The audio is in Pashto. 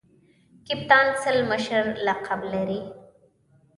کپتان سل مشر لقب لري.